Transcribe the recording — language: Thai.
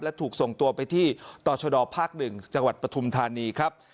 และถูกส่งตัวไปที่ต่อชดภาค๑จังหวัดปฐุมธานีครับ